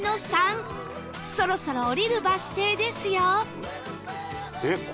そろそろ降りるバス停ですよ